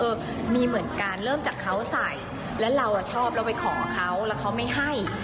มีเหมือนกันเริ่มจากเขาใส่แล้วเราชอบเราไปขอเขาแล้วเขาไม่ให้